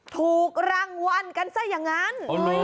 ถูกรางวัลกันซะอย่างนั้น